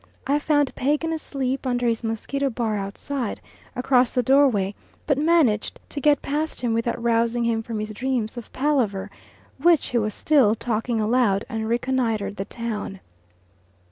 I found Pagan asleep under his mosquito bar outside, across the doorway, but managed to get past him without rousing him from his dreams of palaver which he was still talking aloud, and reconnoitred the town.